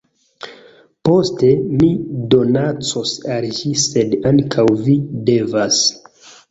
Poste, mi donacos al ĝi sed ankaŭ vi devas